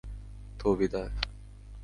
তো, বিদায়!